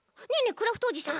クラフトおじさん。